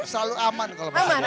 selalu aman kalau berada di sini